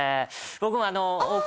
僕も。